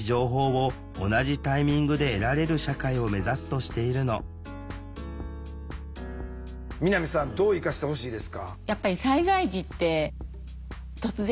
一方日本では南さんどう生かしてほしいですか？